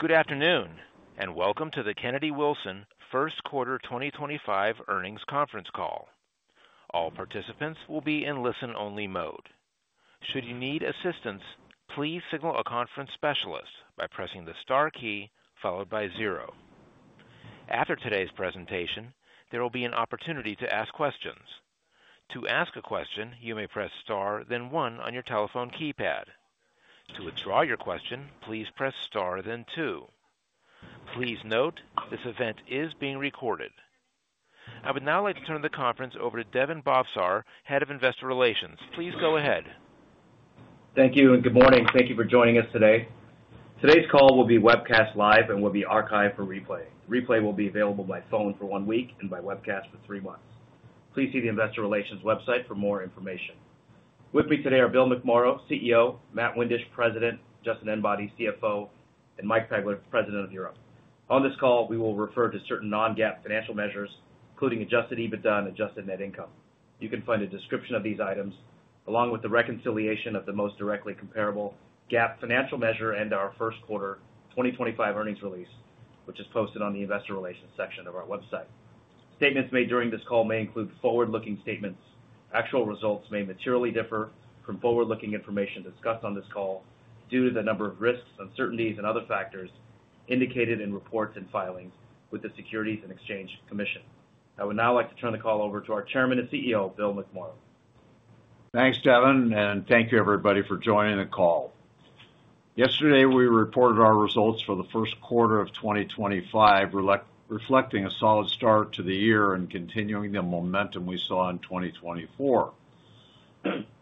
Good afternoon, and welcome to the Kennedy-Wilson First Quarter 2025 earnings conference call. All participants will be in listen-only mode. Should you need assistance, please signal a conference specialist by pressing the star key followed by zero. After today's presentation, there will be an opportunity to ask questions. To ask a question, you may press star, then one on your telephone keypad. To withdraw your question, please press star, then two. Please note this event is being recorded. I would now like to turn the conference over to Daven Bhavsar, Head of Investor Relations. Please go ahead. Thank you, and good morning. Thank you for joining us today. Today's call will be webcast live and will be archived for replay. Replay will be available by phone for one week and by webcast for three months. Please see the Investor Relations website for more information. With me today are Bill McMorrow, CEO; Matt Windisch, President; Justin Enbody, CFO; and Mike Pegler, President of Europe. On this call, we will refer to certain non-GAAP financial measures, including adjusted EBITDA and adjusted net income. You can find a description of these items along with the reconciliation of the most directly comparable GAAP financial measure in our First Quarter 2025 earnings release, which is posted on the Investor Relations section of our website. Statements made during this call may include forward-looking statements. Actual results may materially differ from forward-looking information discussed on this call due to the number of risks, uncertainties, and other factors indicated in reports and filings with the Securities and Exchange Commission. I would now like to turn the call over to our Chairman and CEO, Bill McMorrow. Thanks, Daven, and thank you, everybody, for joining the call. Yesterday, we reported our results for the first quarter of 2025, reflecting a solid start to the year and continuing the momentum we saw in 2024.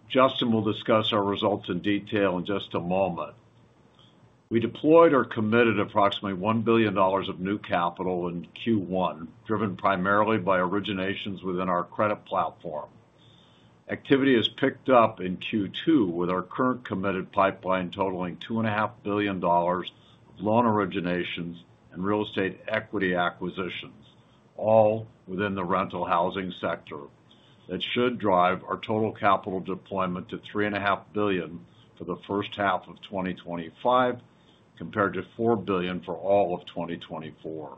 Justin will discuss our results in detail in just a moment. We deployed or committed approximately $1 billion of new capital in Q1, driven primarily by originations within our credit platform. Activity has picked up in Q2 with our current committed pipeline totaling $2.5 billion of loan originations and real estate equity acquisitions, all within the rental housing sector. That should drive our total capital deployment to $3.5 billion for the first half of 2025, compared to $4 billion for all of 2024.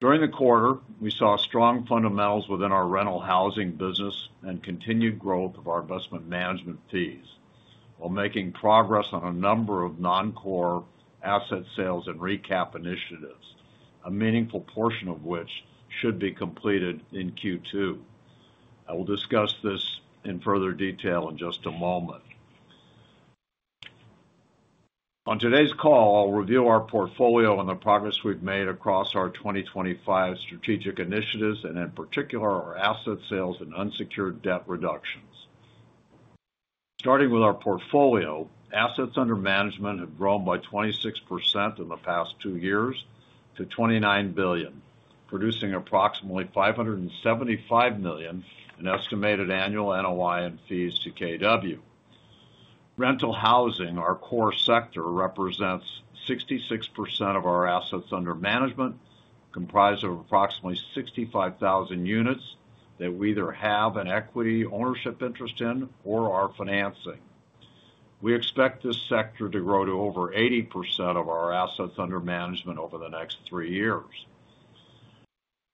During the quarter, we saw strong fundamentals within our rental housing business and continued growth of our investment management fees, while making progress on a number of non-core asset sales and recap initiatives, a meaningful portion of which should be completed in Q2. I will discuss this in further detail in just a moment. On today's call, I'll review our portfolio and the progress we've made across our 2025 strategic initiatives, and in particular, our asset sales and unsecured debt reductions. Starting with our portfolio, assets under management have grown by 26% in the past two years to $29 billion, producing approximately $575 million in estimated annual NOI and fees to KW. Rental housing, our core sector, represents 66% of our assets under management, comprised of approximately 65,000 units that we either have an equity ownership interest in or are financing. We expect this sector to grow to over 80% of our assets under management over the next three years.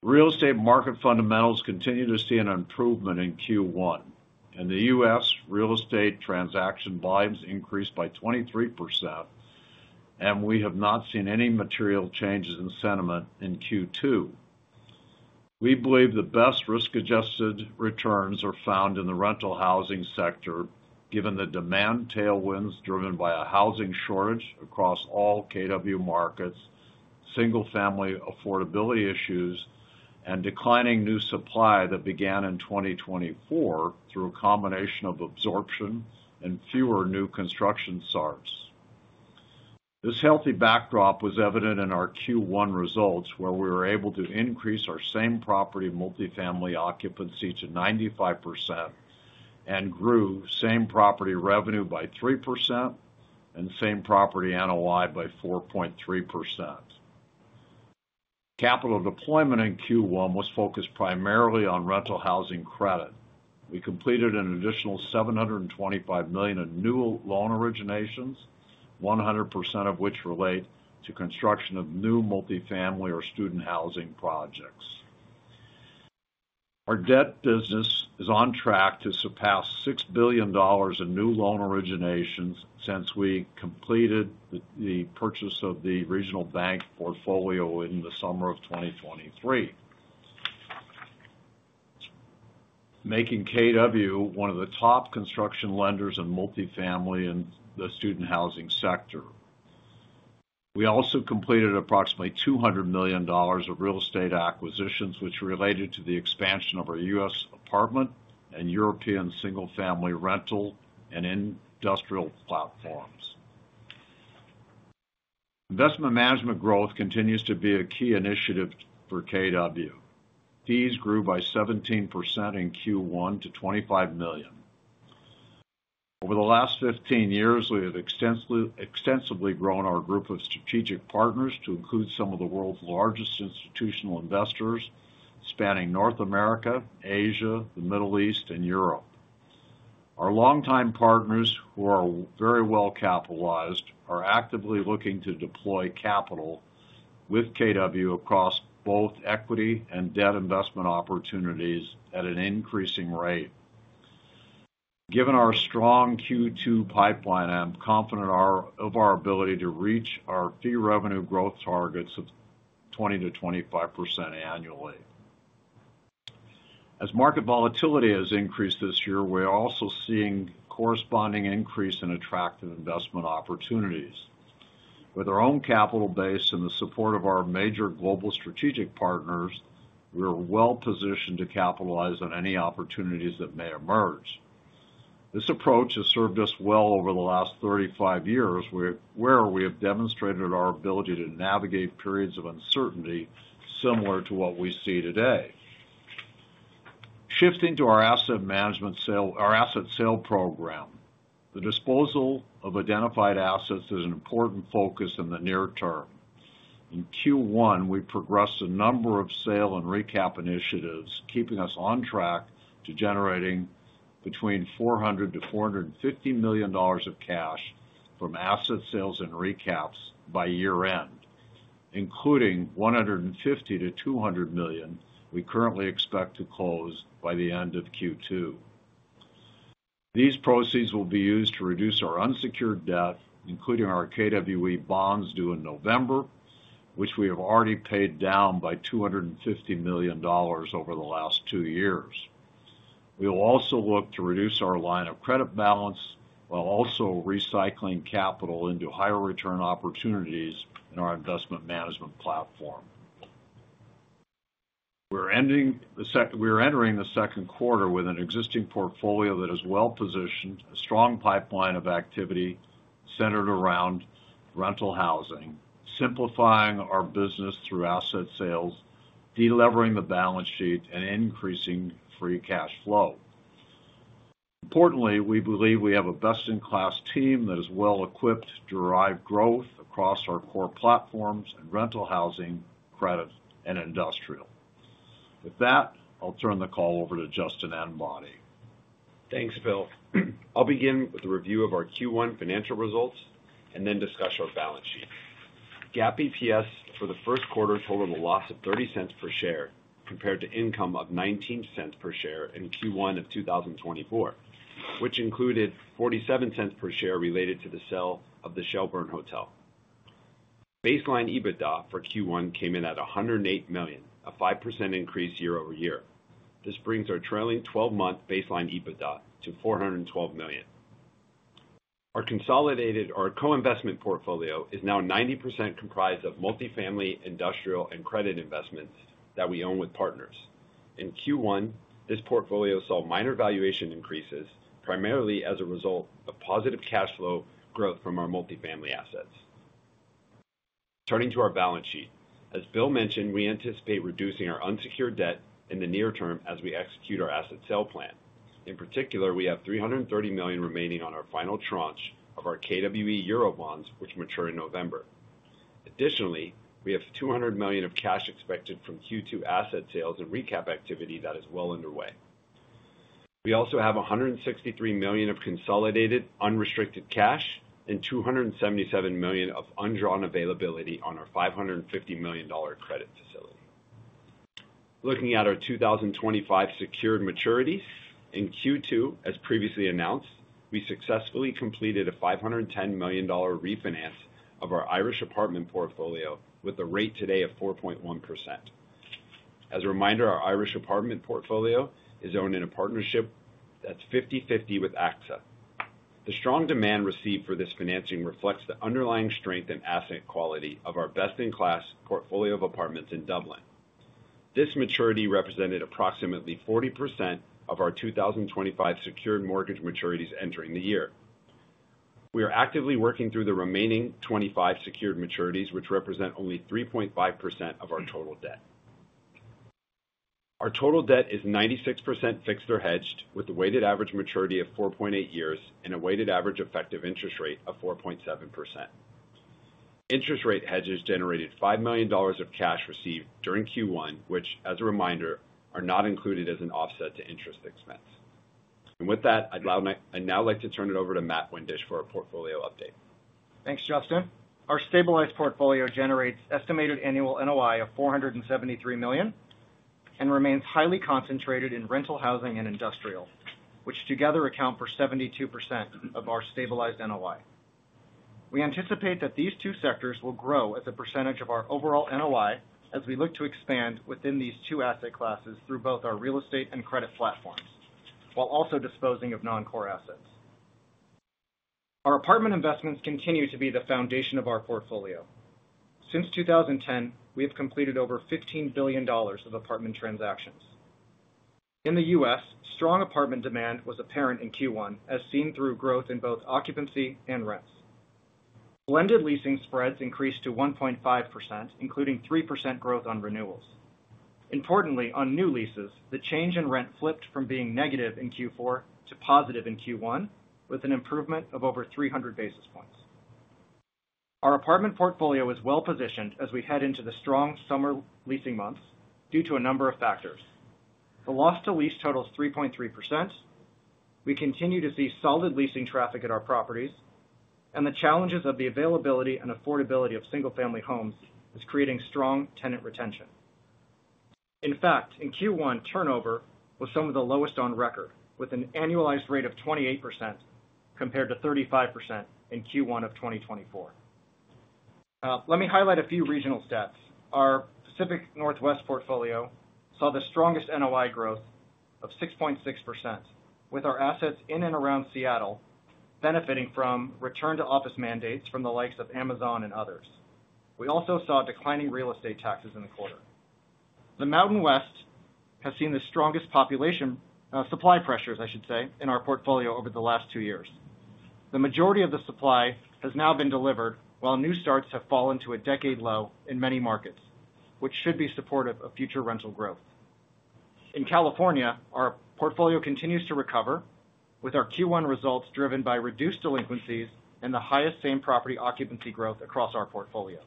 Real estate market fundamentals continue to see an improvement in Q1. In the U.S., real estate transaction volumes increased by 23%, and we have not seen any material changes in sentiment in Q2. We believe the best risk-adjusted returns are found in the rental housing sector, given the demand tailwinds driven by a housing shortage across all KW markets, single-family affordability issues, and declining new supply that began in 2024 through a combination of absorption and fewer new construction starts. This healthy backdrop was evident in our Q1 results, where we were able to increase our same-property multifamily occupancy to 95% and grew same-property revenue by 3% and same-property NOI by 4.3%. Capital deployment in Q1 was focused primarily on rental housing credit. We completed an additional $725 million in new loan originations, 100% of which relate to construction of new multifamily or student housing projects. Our debt business is on track to surpass $6 billion in new loan originations since we completed the purchase of the reg ional bank portfolio in the summer of 2023, making KW one of the top construction lenders in multifamily and the student housing sector. We also completed approximately $200 million of real estate acquisitions, which related to the expansion of our U.S. apartment and European single-family rental and industrial platforms. Investment management growth continues to be a key initiative for KW. Fees grew by 17% in Q1 to $25 million. Over the last 15 years, we have extensively grown our group of strategic partners to include some of the world's largest institutional investors, spanning North America, Asia, the Middle East, and Europe. Our longtime partners, who are very well capitalized, are actively looking to deploy capital with KW across both equity and debt investment opportunities at an increasing rate. Given our strong Q2 pipeline, I am confident of our ability to reach our fee revenue growth targets of 20%-25% annually. As market volatility has increased this year, we are also seeing a corresponding increase in attractive investment opportunities. With our own capital base and the support of our major global strategic partners, we are well positioned to capitalize on any opportunities that may emerge. This approach has served us well over the last 35 years, where we have demonstrated our ability to navigate periods of uncertainty similar to what we see today. Shifting to our asset management sale, our asset sale program, the disposal of identified assets is an important focus in the near term. In Q1, we progressed a number of sale and recap initiatives, keeping us on track to generating between $400 million-$450 million of cash from asset sales and recaps by year-end, including $150 million-$200 million we currently expect to close by the end of Q2. These proceeds will be used to reduce our unsecured debt, including our KWE bonds due in November, which we have already paid down by $250 million over the last two years. We will also look to reduce our line of credit balance while also recycling capital into higher return opportunities in our investment management platform. We are entering the second quarter with an existing portfolio that is well positioned, a strong pipeline of activity centered around rental housing, simplifying our business through asset sales, delivering the balance sheet, and increasing free cash flow. Importantly, we believe we have a best-in-class team that is well-equipped to drive growth across our core platforms and rental housing, credit, and industrial. With that, I'll turn the call over to Justin Enbody. Thanks, Bill. I'll begin with a review of our Q1 financial results and then discuss our balance sheet. GAAP EPS for the first quarter totaled a loss of $0.30 per share compared to income of $0.19 per share in Q1 of 2024, which included $0.47 per share related to the sale of the Shelburne Hotel. Baseline EBITDA for Q1 came in at $108 million, a 5% increase year over year. This brings our trailing 12-month baseline EBITDA to $412 million. Our consolidated or co-investment portfolio is now 90% comprised of multifamily, industrial, and credit investments that we own with partners. In Q1, this portfolio saw minor valuation increases, primarily as a result of positive cash flow growth from our multifamily assets. Turning to our balance sheet, as Bill mentioned, we anticipate reducing our unsecured debt in the near term as we execute our asset sale plan. In particular, we have $330 million remaining on our final tranche of our KWE Euro bonds, which mature in November. Additionally, we have $200 million of cash expected from Q2 asset sales and recap activity that is well underway. We also have $163 million of consolidated unrestricted cash and $277 million of undrawn availability on our $550 million credit facility. Looking at our 2025 secured maturities, in Q2, as previously announced, we successfully completed a $510 million refinance of our Irish apartment portfolio with a rate today of 4.1%. As a reminder, our Irish apartment portfolio is owned in a partnership that's 50/50 with AXA. The strong demand received for this financing reflects the underlying strength and asset quality of our best-in-class portfolio of apartments in Dublin. This maturity represented approximately 40% of our 2025 secured mortgage maturities entering the year. We are actively working through the remaining 25 secured maturities, which represent only 3.5% of our total debt. Our total debt is 96% fixed or hedged, with a weighted average maturity of 4.8 years and a weighted average effective interest rate of 4.7%. Interest rate hedges generated $5 million of cash received during Q1, which, as a reminder, are not included as an offset to interest expense. With that, I'd now like to turn it over to Matt Windisch for a portfolio update. Thanks, Justin. Our stabilized portfolio generates estimated annual NOI of $473 million and remains highly concentrated in rental housing and industrial, which together account for 72% of our stabilized NOI. We anticipate that these two sectors will grow as a percentage of our overall NOI as we look to expand within these two asset classes through both our real estate and credit platforms, while also disposing of non-core assets. Our apartment investments continue to be the foundation of our portfolio. Since 2010, we have completed over $15 billion of apartment transactions. In the U.S., strong apartment demand was apparent in Q1, as seen through growth in both occupancy and rents. Blended leasing spreads increased to 1.5%, including 3% growth on renewals. Importantly, on new leases, the change in rent flipped from being negative in Q4 to positive in Q1, with an improvement of over 300 basis points. Our apartment portfolio is well positioned as we head into the strong summer leasing months due to a number of factors. The loss to lease totals 3.3%. We continue to see solid leasing traffic at our properties, and the challenges of the availability and affordability of single-family homes is creating strong tenant retention. In fact, in Q1, turnover was some of the lowest on record, with an annualized rate of 28% compared to 35% in Q1 of 2024. Let me highlight a few regional stats. Our Pacific Northwest portfolio saw the strongest NOI growth of 6.6%, with our assets in and around Seattle benefiting from return-to-office mandates from the likes of Amazon and others. We also saw declining real estate taxes in the quarter. The Mountain West has seen the strongest population supply pressures, I should say, in our portfolio over the last two years. The majority of the supply has now been delivered, while new starts have fallen to a decade low in many markets, which should be supportive of future rental growth. In California, our portfolio continues to recover, with our Q1 results driven by reduced delinquencies and the highest same-property occupancy growth across our portfolio.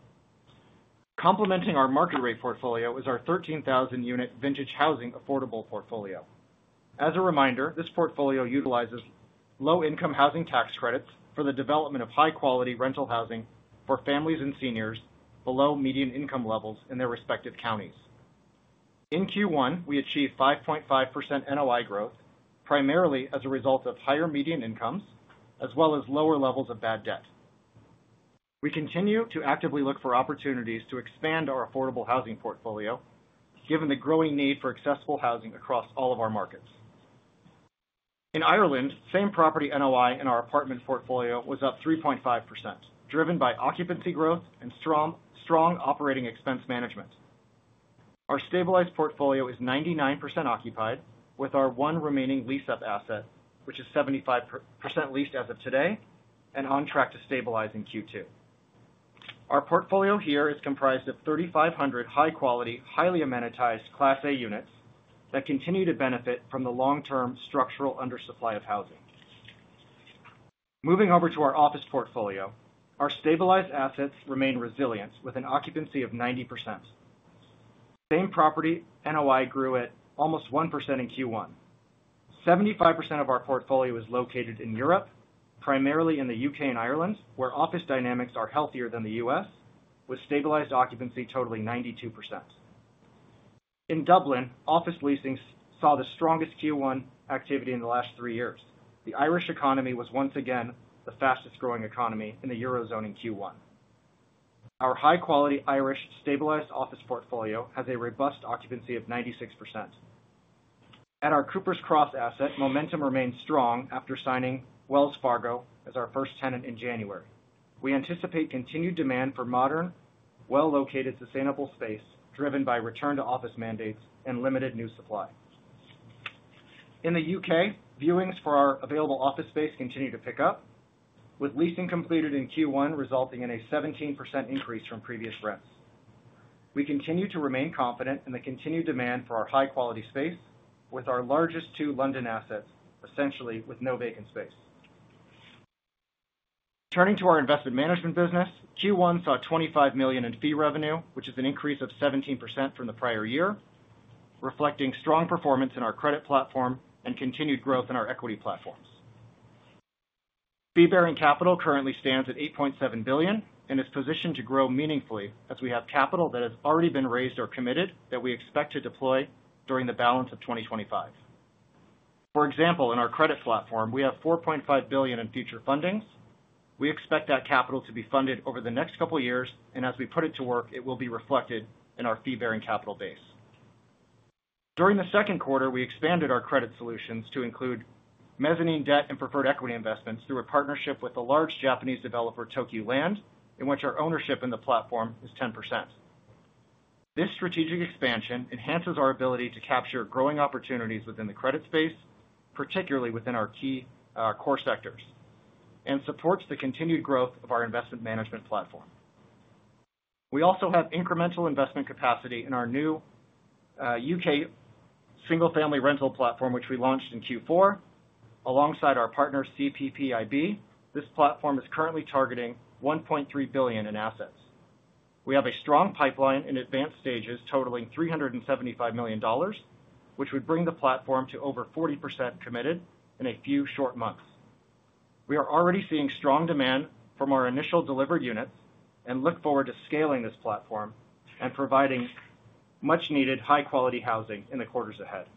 Complementing our market-rate portfolio is our 13,000-unit vintage housing affordable portfolio. As a reminder, this portfolio utilizes low-income housing tax credits for the development of high-quality rental housing for families and seniors below median income levels in their respective counties. In Q1, we achieved 5.5% NOI growth, primarily as a result of higher median incomes, as well as lower levels of bad debt. We continue to actively look for opportunities to expand our affordable housing portfolio, given the growing need for accessible housing across all of our markets. In Ireland, same-property NOI in our apartment portfolio was up 3.5%, driven by occupancy growth and strong operating expense management. Our stabilized portfolio is 99% occupied, with our one remaining lease-up asset, which is 75% leased as of today and on track to stabilize in Q2. Our portfolio here is comprised of 3,500 high-quality, highly amenitized Class A units that continue to benefit from the long-term structural undersupply of housing. Moving over to our office portfolio, our stabilized assets remain resilient with an occupancy of 90%. Same-property NOI grew at almost 1% in Q1. 75% of our portfolio is located in Europe, primarily in the U.K. and Ireland, where office dynamics are healthier than the U.S., with stabilized occupancy totaling 92%. In Dublin, office leasing saw the strongest Q1 activity in the last three years. The Irish economy was once again the fastest-growing economy in the Eurozone in Q1. Our high-quality Irish stabilized office portfolio has a robust occupancy of 96%. At our Cooper's Cross asset, momentum remained strong after signing Wells Fargo as our first tenant in January. We anticipate continued demand for modern, well-located, sustainable space driven by return-to-office mandates and limited new supply. In the U.K., viewings for our available office space continue to pick up, with leasing completed in Q1 resulting in a 17% increase from previous rents. We continue to remain confident in the continued demand for our high-quality space, with our largest two London assets essentially with no vacant space. Turning to our investment management business, Q1 saw $25 million in fee revenue, which is an increase of 17% from the prior year, reflecting strong performance in our credit platform and continued growth in our equity platforms. Fee-bearing capital currently stands at $8.7 billion and is positioned to grow meaningfully as we have capital that has already been raised or committed that we expect to deploy during the balance of 2025. For example, in our credit platform, we have $4.5 billion in future fundings. We expect that capital to be funded over the next couple of years, and as we put it to work, it will be reflected in our fee-bearing capital base. During the second quarter, we expanded our credit solutions to include mezzanine debt and preferred equity investments through a partnership with a large Japanese developer, Tokyu Land, in which our ownership in the platform is 10%. This strategic expansion enhances our ability to capture growing opportunities within the credit space, particularly within our key core sectors, and supports the continued growth of our investment management platform. We also have incremental investment capacity in our new U.K. single-family rental platform, which we launched in Q4 alongside our partner CPPIB. This platform is currently targeting $1.3 billion in assets. We have a strong pipeline in advanced stages totaling $375 million, which would bring the platform to over 40% committed in a few short months. We are already seeing strong demand from our initial delivered units and look forward to scaling this platform and providing much-needed high-quality housing in the quarters ahead.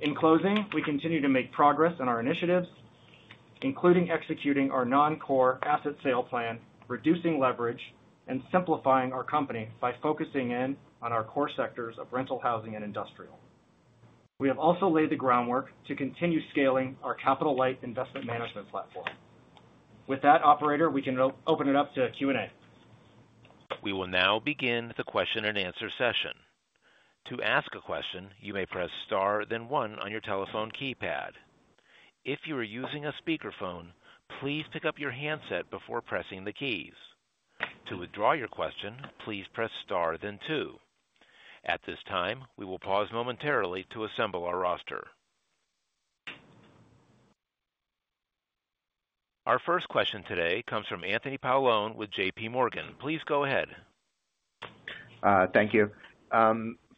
In closing, we continue to make progress in our initiatives, including executing our non-core asset sale plan, reducing leverage, and simplifying our company by focusing in on our core sectors of rental housing and industrial. We have also laid the groundwork to continue scaling our capital-light investment management platform. With that, operator, we can open it up to Q&A. We will now begin the question-and-answer session. To ask a question, you may press star, then One on your telephone keypad. If you are using a speakerphone, please pick up your handset before pressing the keys. To withdraw your question, please press star, then two. At this time, we will pause momentarily to assemble our roster. Our first question today comes from Anthony Paolone with JPMorgan. Please go ahead. Thank you.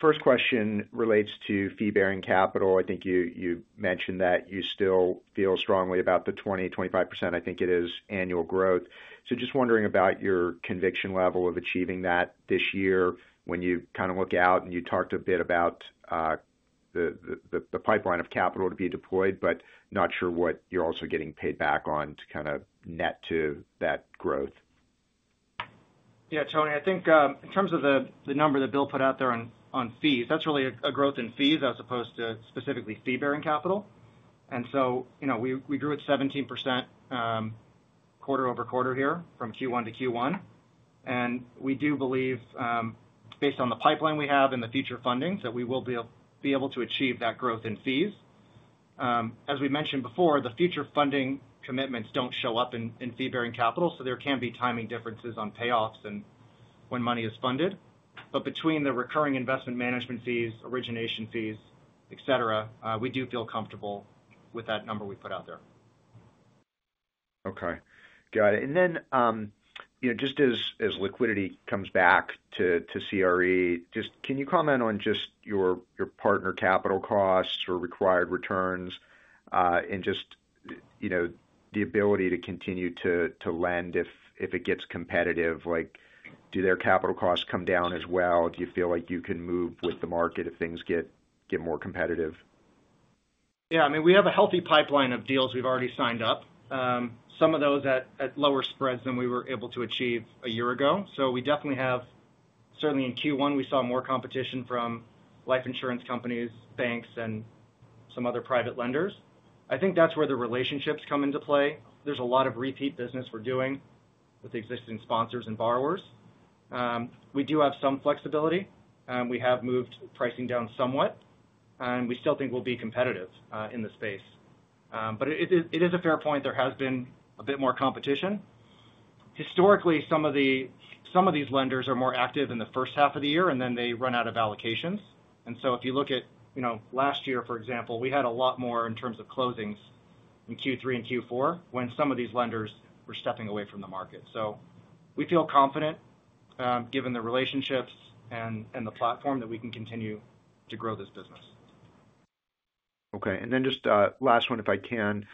First question relates to fee-bearing capital. I think you mentioned that you still feel strongly about the 20-25% annual growth. Just wondering about your conviction level of achieving that this year when you kind of look out and you talked a bit about the pipeline of capital to be deployed, but not sure what you're also getting paid back on to kind of net to that growth. Yeah, Tony, I think in terms of the number that Bill put out there on fees, that's really a growth in fees as opposed to specifically fee-bearing capital. We grew at 17% quarter-over-quarter here from Q1 to Q1. We do believe, based on the pipeline we have and the future funding, that we will be able to achieve that growth in fees. As we mentioned before, the future funding commitments do not show up in fee-bearing capital, so there can be timing differences on payoffs and when money is funded. Between the recurring investment management fees, origination fees, etc., we do feel comfortable with that number we put out there. Okay. Got it. Just as liquidity comes back to CRE, can you comment on your partner capital costs or required returns and the ability to continue to lend if it gets competitive? Do their capital costs come down as well? Do you feel like you can move with the market if things get more competitive? Yeah. I mean, we have a healthy pipeline of deals. We have already signed up some of those at lower spreads than we were able to achieve a year ago. We definitely have, certainly in Q1, seen more competition from life insurance companies, banks, and some other private lenders. I think that is where the relationships come into play. There is a lot of repeat business we are doing with existing sponsors and borrowers. We do have some flexibility. We have moved pricing down somewhat. We still think we will be competitive in the space. It is a fair point. There has been a bit more competition. Historically, some of these lenders are more active in the first half of the year, and then they run out of allocations. If you look at last year, for example, we had a lot more in terms of closings in Q3 and Q4 when some of these lenders were stepping away from the market. We feel confident, given the relationships and the platform, that we can continue to grow this business. Okay. And then just last one, if I can.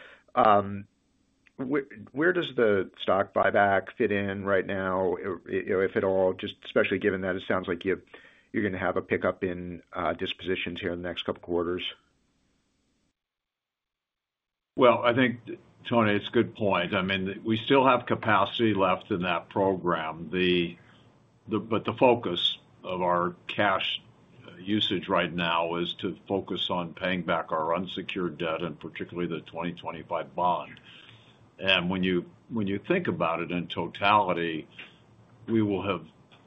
Where does the stock buyback fit in right now, if at all, just especially given that it sounds like you're going to have a pickup in dispositions here in the next couple of quarters? I think, Tony, it is a good point. I mean, we still have capacity left in that program. The focus of our cash usage right now is to focus on paying back our unsecured debt and particularly the 2025 bond. When you think about it in totality, we will have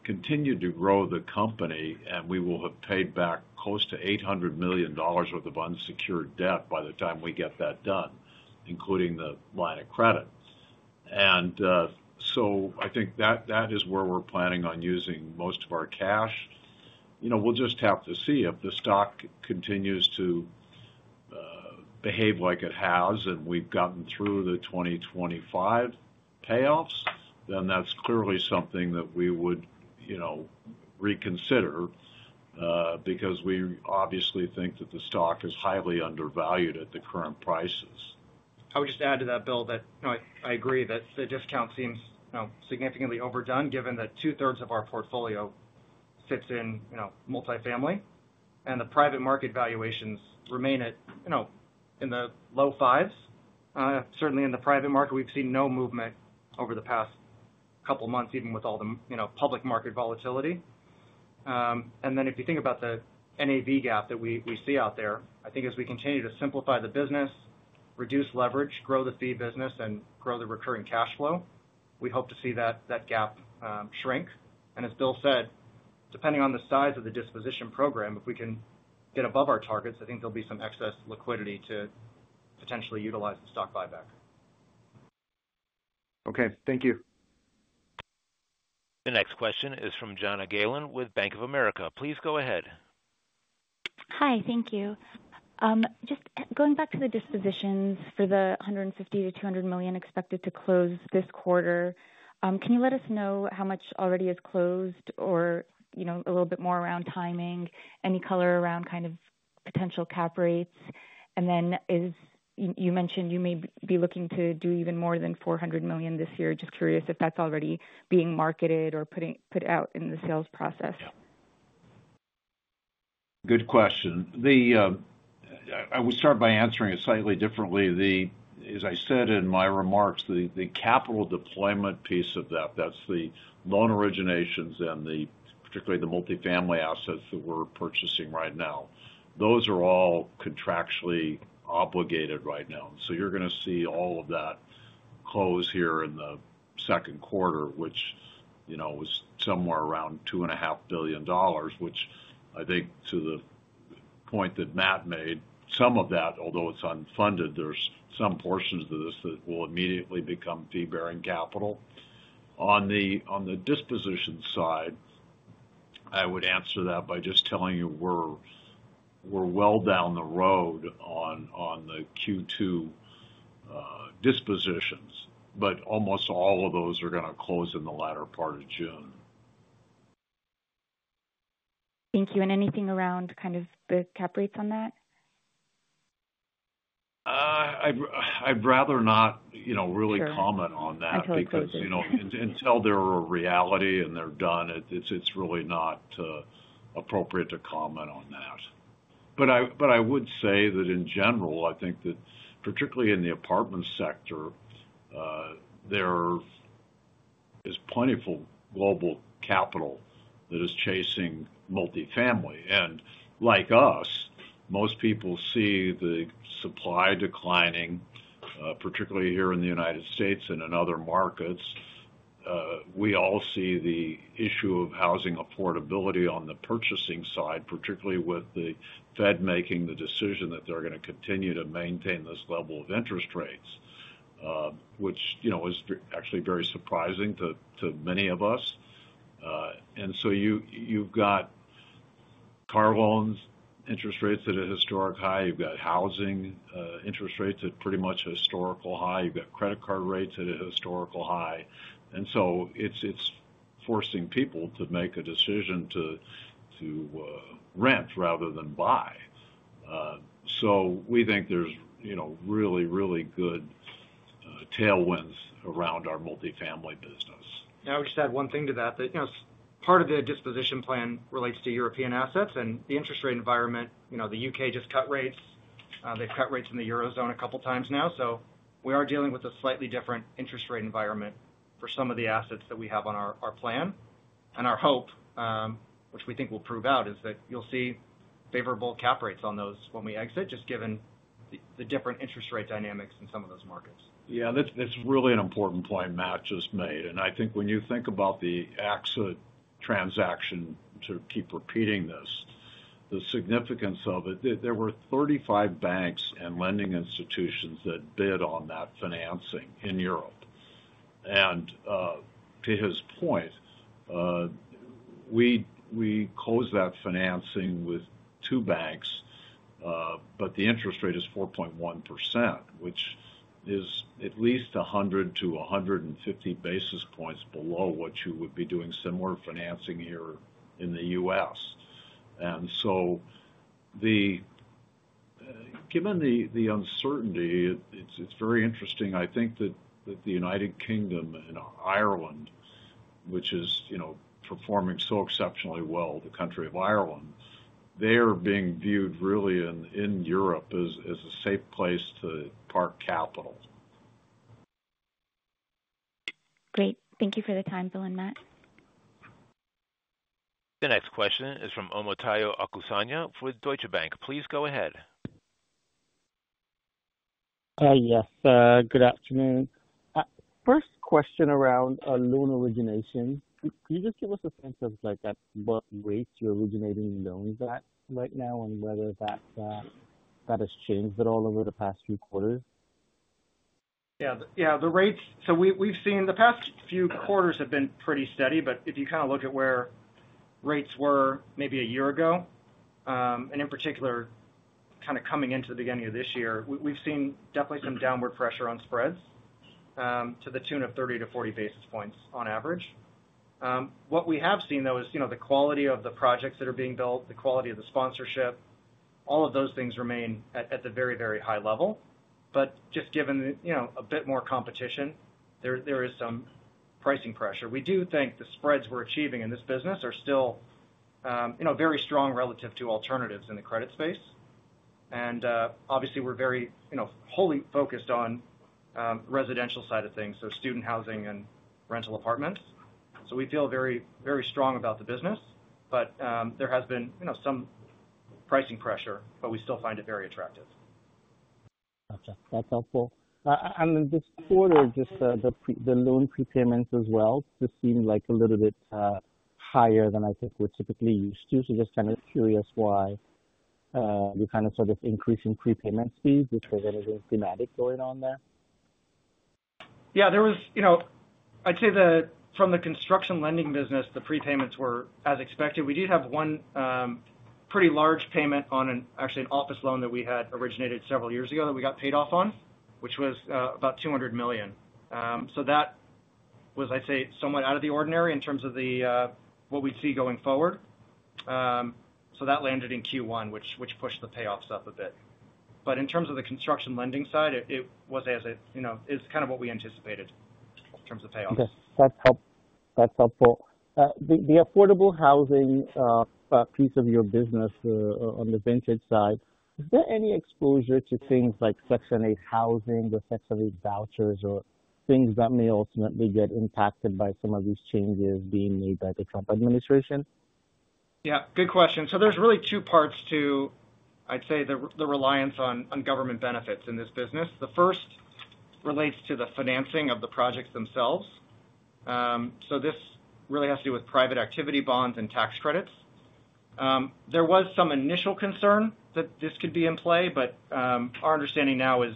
continued to grow the company, and we will have paid back close to $800 million worth of unsecured debt by the time we get that done, including the line of credit. I think that is where we are planning on using most of our cash. We will just have to see. If the stock continues to behave like it has and we have gotten through the 2025 payoffs, then that is clearly something that we would reconsider because we obviously think that the stock is highly undervalued at the current prices. I would just add to that, Bill, that I agree that the discount seems significantly overdone given that two-thirds of our portfolio sits in multifamily, and the private market valuations remain in the low fives. Certainly, in the private market, we've seen no movement over the past couple of months, even with all the public market volatility. If you think about the NAV gap that we see out there, I think as we continue to simplify the business, reduce leverage, grow the fee business, and grow the recurring cash flow, we hope to see that gap shrink. As Bill said, depending on the size of the disposition program, if we can get above our targets, I think there'll be some excess liquidity to potentially utilize the stock buyback. Okay. Thank you. The next question is from John Agalon with Bank of America. Please go ahead. Hi. Thank you. Just going back to the dispositions for the $150-$200 million expected to close this quarter, can you let us know how much already is closed? or a little bit more around timing, any color around kind of potential cap rates? You mentioned you may be looking to do even more than $400 million this year. Just curious if that's already being marketed or put out in the sales process. Yeah. Good question. I will start by answering it slightly differently. As I said in my remarks, the capital deployment piece of that, that's the loan originations and particularly the multifamily assets that we're purchasing right now. Those are all contractually obligated right now. You are going to see all of that close here in the second quarter, which was somewhere around $2.5 billion, which I think to the point that Matt made, some of that, although it is unfunded, there are some portions of this that will immediately become fee-bearing capital. On the disposition side, I would answer that by just telling you we are well down the road on the Q2 dispositions, but almost all of those are going to close in the latter part of June. Thank you. Anything around kind of the cap rates on that? I'd rather not really comment on that because until they're a reality and they're done, it's really not appropriate to comment on that. I would say that in general, I think that particularly in the apartment sector, there is plentiful global capital that is chasing multifamily. Like us, most people see the supply declining, particularly here in the U.S. and in other markets. We all see the issue of housing affordability on the purchasing side, particularly with the Fed making the decision that they're going to continue to maintain this level of interest rates, which is actually very surprising to many of us. You've got car loans interest rates at a historic high. You've got housing interest rates at pretty much a historical high. You've got credit card rates at a historical high. It is forcing people to make a decision to rent rather than buy. We think there are really, really good tailwinds around our multifamily business. I would just add one thing to that. Part of the disposition plan relates to European assets. The interest rate environment, the U.K. just cut rates. They have cut rates in the eurozone a couple of times now. We are dealing with a slightly different interest rate environment for some of the assets that we have on our plan. Our hope, which we think will prove out, is that you will see favorable cap rates on those when we exit, just given the different interest rate dynamics in some of those markets. Yeah. That's really an important point Matt just made. I think when you think about the AXA transaction, to keep repeating this, the significance of it, there were 35 banks and lending institutions that bid on that financing in Europe. To his point, we closed that financing with two banks, but the interest rate is 4.1%, which is at least 100-150 basis points below what you would be doing similar financing here in the U.S. Given the uncertainty, it's very interesting. I think that the United Kingdom and Ireland, which is performing so exceptionally well, the country of Ireland, they're being viewed really in Europe as a safe place to park capital. Great. Thank you for the time, Bill and Matt. The next question is from Omotayo Okusanya with Deutsche Bank. Please go ahead. Hi. Yes. Good afternoon. First question around loan origination. Can you just give us a sense of what rates you're originating loans at right now and whether that has changed at all over the past few quarters? Yeah. Yeah the rates. We have seen the past few quarters have been pretty steady. If you kind of look at where rates were maybe a year ago, and in particular, coming into the beginning of this year, we have seen definitely some downward pressure on spreads to the tune of 30-40 basis points on average. What we have seen, though, is the quality of the projects that are being built, the quality of the sponsorship, all of those things remain at the very, very high level. Just given a bit more competition, there is some pricing pressure. We do think the spreads we are achieving in this business are still very strong relative to alternatives in the credit space. Obviously, we are very wholly focused on the residential side of things, student housing and rental apartments. We feel very strong about the business. There has been some pricing pressure, but we still find it very attractive. Gotcha. That's helpful. In this quarter, just the loan prepayments as well just seemed like a little bit higher than I think we're typically used to. Just kind of curious why you're kind of sort of increasing prepayment speed. Is there anything thematic going on there? Yeah. I'd say from the construction lending business, the prepayments were as expected. We did have one pretty large payment on actually an office loan that we had originated several years ago that we got paid off on, which was about $200 million. That was, I'd say, somewhat out of the ordinary in terms of what we'd see going forward. That landed in Q1, which pushed the payoffs up a bit. In terms of the construction lending side, it was as it is kind of what we anticipated in terms of payoffs. Yes. That's helpful. The affordable housing piece of your business on the vintage side, is there any exposure to things like Section 8 housing or Section 8 vouchers or things that may ultimately get impacted by some of these changes being made by the Trump administration? Yeah. Good question. There are really two parts to, I'd say, the reliance on government benefits in this business. The first relates to the financing of the projects themselves. This really has to do with private activity bonds and tax credits. There was some initial concern that this could be in play, but our understanding now is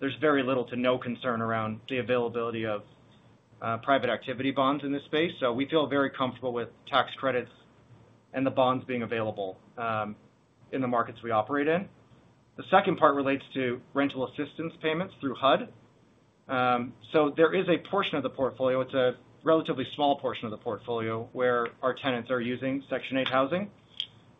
there is very little to no concern around the availability of private activity bonds in this space. We feel very comfortable with tax credits and the bonds being available in the markets we operate in. The second part relates to rental assistance payments through HUD. There is a portion of the portfolio, it's a relatively small portion of the portfolio where our tenants are using Section 8 housing.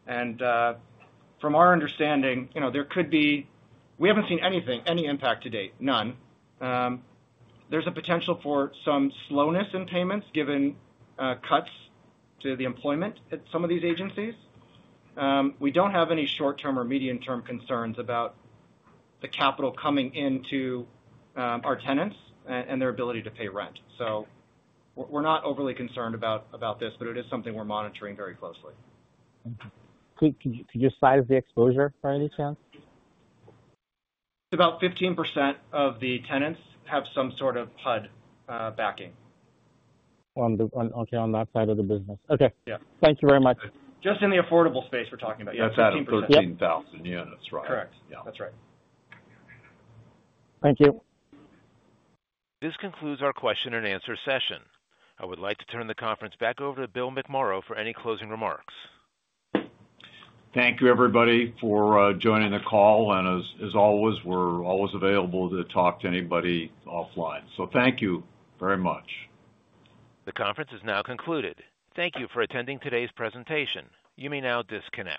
From our understanding, there could be—we have not seen anything, any impact to date, none. There's a potential for some slowness in payments given cuts to the employment at some of these agencies. We don't have any short-term or medium-term concerns about the capital coming into our tenants and their ability to pay rent. We're not overly concerned about this, but it is something we're monitoring very closely. Could you cite the exposure by any chance? About 15% of the tenants have some sort of HUD backing. Okay. On that side of the business. Okay. Thank you very much. Just in the affordable space we're talking about, yeah. 15%. That's at 15,000 units, right? Correct. That's right. Thank you. This concludes our question and answer session. I would like to turn the conference back over to Bill McMorrow for any closing remarks. Thank you, everybody, for joining the call. As always, we're always available to talk to anybody offline. Thank you very much. The conference is now concluded. Thank you for attending today's presentation. You may now disconnect.